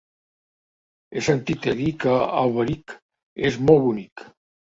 He sentit a dir que Alberic és molt bonic.